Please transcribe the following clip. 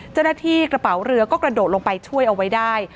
เจ้าหน้าที่กระเป๋าเรือก็กระโดดลงไปช่วยเอาไว้ได้